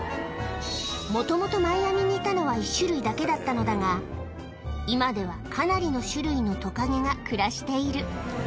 もともとマイアミにいたのは、１種類だけだったのだが、今ではかなりの種類のトカゲが暮らしている。